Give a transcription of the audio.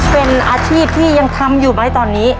เป็นอาชีพที่ยังทำอยู่ไหมตอนนี้